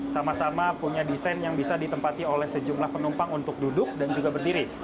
sama sama punya desain yang bisa ditempati oleh sejumlah penumpang untuk duduk dan juga berdiri